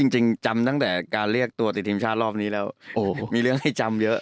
จริงจำตั้งแต่การเรียกตัวติดทีมชาติรอบนี้แล้วมีเรื่องให้จำเยอะ